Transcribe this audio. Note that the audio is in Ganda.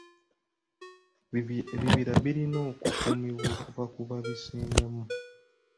Ebibira birina okukuumibwa okuva ku babisengamu.